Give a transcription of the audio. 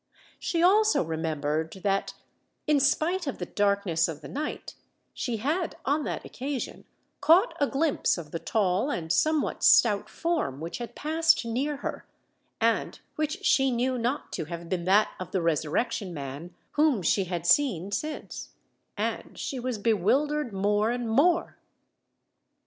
She also remembered that, in spite of the darkness of the night, she had on that occasion caught a glimpse of the tall and somewhat stout form which had passed near her, and which she knew not to have been that of the Resurrection Man, whom she had since seen:—and she was bewildered more and more.